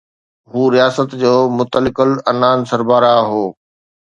هو رياست جو مطلق العنان سربراهه هو.